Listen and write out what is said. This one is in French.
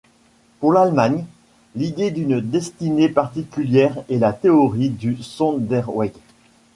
Pour l'Allemagne, l'idée d'une destinée particulière est la théorie du Sonderweg.